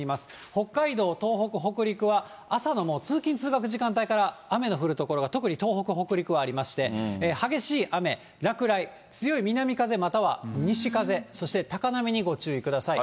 北海道、東北、北陸は、朝のもう通勤・通勤時間帯から、雨の降る所が、特に東北、北陸はありまして、激しい雨、落雷、強い南風、または西風、そして高波にご注意ください。